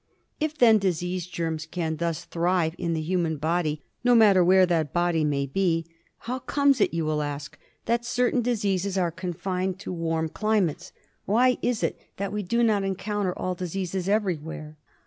If, then, disease germs can thus thrive in the human body no matter where that body may be, how comes it, you will ask, that certain diseases are confined to warm climates ? Why is it that we do not encounter all diseases everywhere